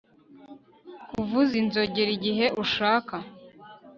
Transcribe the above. Kuvuza inzogera igihe ushaka